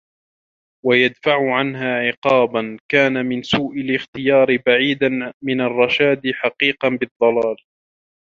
وَيَدْفَعُ عَنْهَا عِقَابًا ، كَانَ مِنْ سُوءِ الِاخْتِيَارِ بَعِيدًا مِنْ الرَّشَادِ حَقِيقًا بِالضَّلَالِ